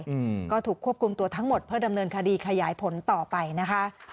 อืมก็ถูกควบคุมตัวทั้งหมดเพื่อดำเนินคดีขยายผลต่อไปนะคะ